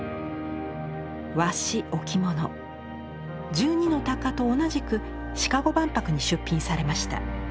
「十二の鷹」と同じくシカゴ万博に出品されました。